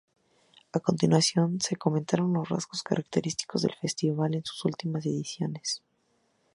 A continuación se comentan los rasgos característicos del festival en sus últimas ediciones.